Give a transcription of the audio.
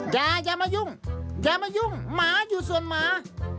อย่าอย่ามายุ่งอย่ามายุ่งหมาอยู่ส่วนหมา